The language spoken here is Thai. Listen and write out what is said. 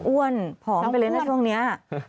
้วนผอมไปเลยนะช่วงนี้